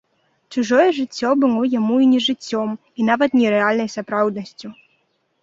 Чужое жыццё было яму і не жыццём, і нават не рэальнай сапраўднасцю.